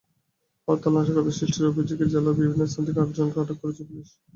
হরতালে নাশকতা সৃষ্টির অভিযোগে জেলার বিভিন্ন স্থান থেকে আটজনকে আটক করেছে পুলিশ।